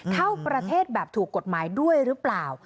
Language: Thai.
เข้าประเทศแบบถูกกฎหมายด้วยหรือเปล่า